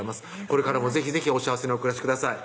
これからも是非是非お幸せにお暮らしください